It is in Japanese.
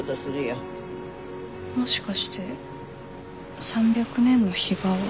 もしかして３００年のヒバは。